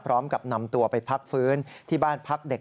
พร้อมกับนำตัวไปพักฟื้นที่บ้านพักเด็ก